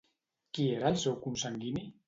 Qui era el seu consanguini?